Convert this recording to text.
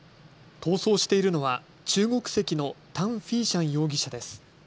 逃走しているのは中国籍のタン・フィーシャン容疑者です。